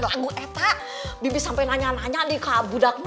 lagu eta bibi sampai nanya nanya di kabudaknya